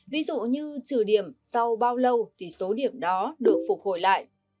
ví dụ như trừ điểm sau bao lâu thì số điểm đó được phục hồi lại